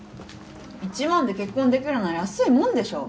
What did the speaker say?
１万で結婚できるなら安いもんでしょ